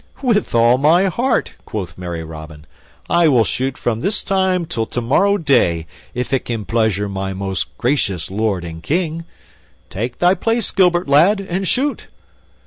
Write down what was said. "With all my heart," quoth merry Robin, "I will shoot from this time till tomorrow day if it can pleasure my most gracious lord and King. Take thy place, Gilbert lad, and shoot."